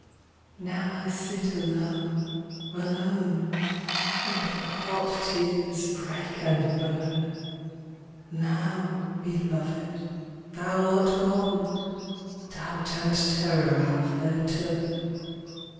m. Now I sit alone, alone â And the hot tears break and burn. Now, Beloved, thou art gone, Doubt and terror have their turn.